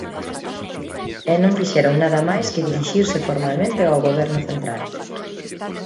E non fixeron nada máis que dirixirse formalmente ao Goberno central.